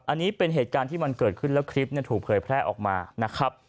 อันนี้เป็นเหตุการณ์ที่มันเกิดขึ้นแล้วคลิปถูกเผยแพร่ออกมานะครับ